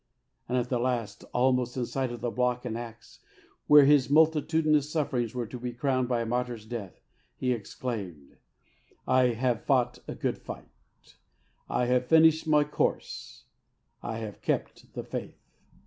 And at the last, almost in sight of the block and axe, where his multitudinous sufferings were to be crowned by a martyr's death, he exclaimed, " I have fought a good fight, I have finished my course, I have kept the faith."